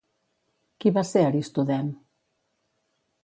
Qui va ser Aristodem?